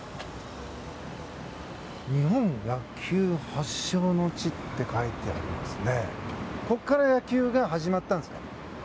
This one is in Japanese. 日本野球発祥の地って書いてありますね。